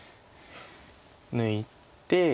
抜いて。